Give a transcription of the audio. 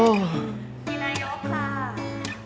นายยกค่ะ